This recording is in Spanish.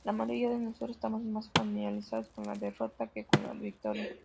La mayoría de nosotros estamos más familiarizados con la derrota que con la victoria.